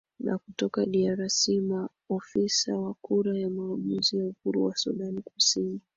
na kutoka drc maofisa wa kura ya maamuzi ya uhuru wa sudan kusini